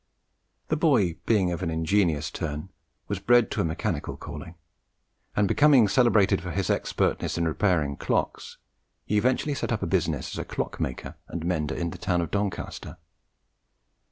The boy being of an ingenious turn, was bred to a mechanical calling; and becoming celebrated for his expertness in repairing clocks, he eventually set up in business as a clock maker and mender in the town of Doncaster.